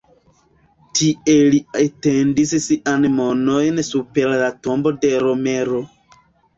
Tie li etendis siajn manojn super la tombo de Romero.